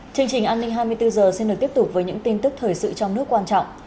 chương trình an ninh hai mươi bốn h xin được tiếp tục với những tin tức thời sự trong nước quan trọng